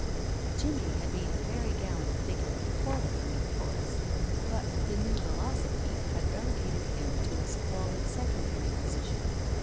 Jimmie had been a very gallant figure before the coming of Horace, but the new velocipede had relegated him to a squalid secondary position.